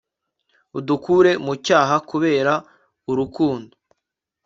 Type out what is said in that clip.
udukure mu cyaha, kubera urukundo